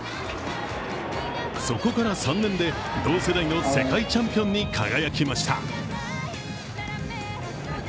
そこから３年で同世代の世界チャンピオンに輝きました。